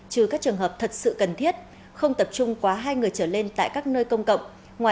trừ các trường hợp thật sự cần thiết không tập trung quá hai người trở lên tại các nơi công cộng